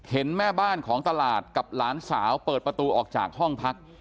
เห็นแม่บ้านของตลาดกับหลานสาวเปิดประตูออกจากห้องพัก